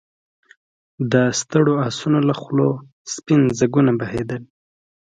د ستړو آسونو له خولو سپين ځګونه بهېدل.